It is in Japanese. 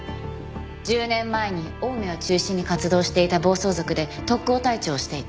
１０年前に青梅を中心に活動していた暴走族で特攻隊長をしていた。